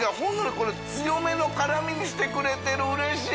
これ強めの辛みにしてくれてるうれしい！